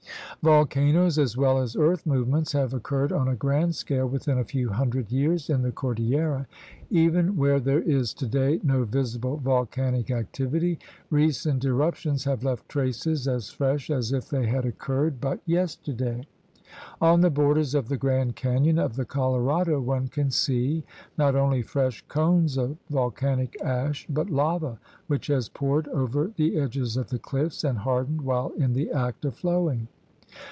Volcanoes as well as earth movements have occurred on a grand scale within a few hundred years in the cordillera. Even where there is to day no visible volcanic activity, recent eruptions have left traces as fresh as if they had occurred but 82 THE RED MAN'S CONTINENT yesterday. On the borders of the Grand Canyon of the Colorado one can see not only fresh cones of volcanic ash but lava which has poured over the edges of the cliffs and hardened while in the act of flowing.